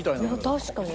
確かに。